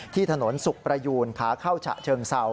ที่ถนนสุขประยูนขาเข้าฉะเชิงเศร้า